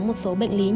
một số bệnh lý nhiễm